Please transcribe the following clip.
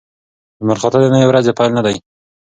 لمرخاته د نوې ورځې پیل نه دی.